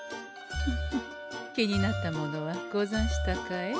フフッ気になったものはござんしたかえ？